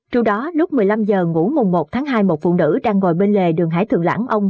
trong đó lúc một mươi năm h ngủ mùng một tháng hai một phụ nữ đang ngồi bên lề đường hải thượng lãng ông